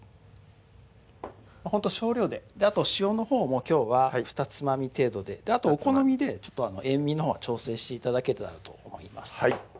ほんと少量であと塩のほうもきょうはふたつまみ程度であとお好みで塩味のほうは調整して頂けたらと思います